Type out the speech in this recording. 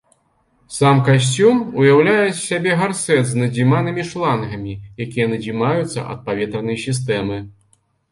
Сам касцюм ўяўляе з сябе гарсэт з надзіманымі шлангамі, якія надзімаюцца ад паветранай сістэмы.